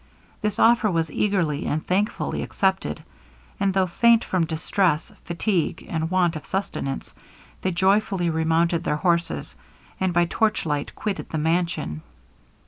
This offer was eagerly and thankfully accepted; and though faint from distress, fatigue, and want of sustenance, they joyfully remounted their horses, and by torchlight quitted the mansion.